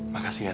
makasih ya rad